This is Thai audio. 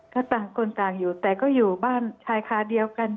ก็ต่างคนต่างอยู่แต่ก็อยู่บ้านชายคาเดียวกัน